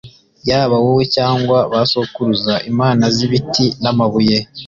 yaba wowe cyangwa ba sokuruza, imana z'ibiti n'amabuye